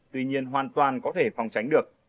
tuy nhiên hoàn toàn có thể phòng tránh được